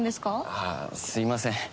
あぁすいません。